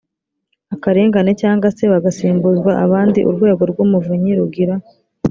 akarengane cyangwa se bagasimbuzwa abandi urwego rw umuvunyi rugira